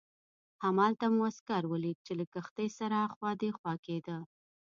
همالته مو عسکر ولید چې له کښتۍ سره اخوا دیخوا کېده.